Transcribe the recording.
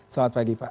selamat pagi pak